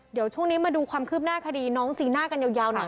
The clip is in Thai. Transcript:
เดี๋ยวช่วงนี้มาดูความคืบหน้าคดีน้องจีน่ากันยาวหน่อย